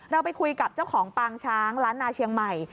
เราไปคุยกับเจ้าของปางช้างล้านนาเชียงใหม่